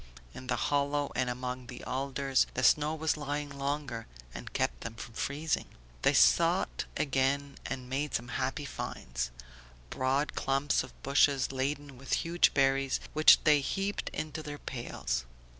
"In the hollows and among the alders the snow was lying longer and kept them from freezing." They sought again and made some happy finds: broad clumps of bushes laden with huge berries which they heaped into their pails.